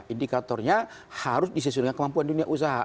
indikatornya harus disesuaikan kemampuan dunia usaha